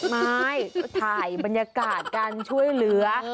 ไม่ถ่ายบรรยากาศการช่วยเหลือ